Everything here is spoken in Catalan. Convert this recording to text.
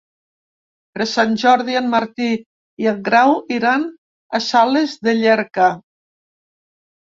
Per Sant Jordi en Martí i en Grau iran a Sales de Llierca.